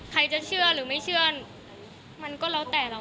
ใครจะเชื่อหรือไม่เชื่อมันก็แล้วแต่เรา